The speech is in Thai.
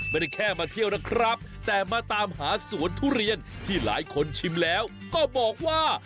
ไม่ได้แค่มาเที่ยวนะครับแต่มาตามหาสวนทุเรียนที่หลายคนชิมแล้วก็บอกว่า